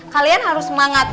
kalian harus semangat